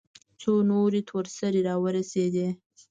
څو نورې تور سرې راورسېدې.